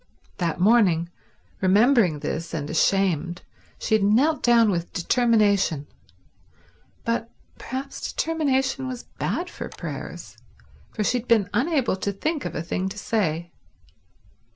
That morning, remembering this and ashamed, she had knelt down with determination; but perhaps determination was bad for prayers, for she had been unable to think of a thing to say.